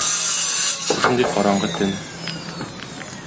Шушындый караңгы төн.